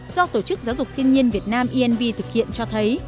do tổ chức giáo dục thiên nhiên việt nam inv thực hiện cho thấy